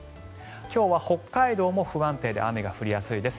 今日は北海道も不安定で雨が降りやすいです。